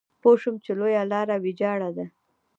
پوه شوم چې لویه لار ويجاړه ده.